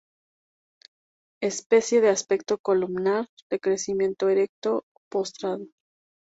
Especie de aspecto columnar, de crecimiento erecto o postrado.